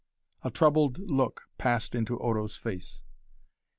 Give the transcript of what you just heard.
A troubled look passed into Odo's face.